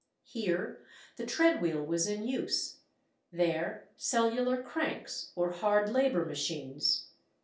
Here the tread wheel was in use, there cellular cranks, or "hard labour machines."